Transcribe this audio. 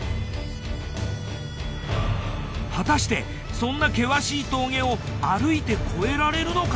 果たしてそんな険しい峠を歩いて越えられるのか？